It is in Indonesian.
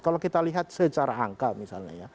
kalau kita lihat secara angka misalnya ya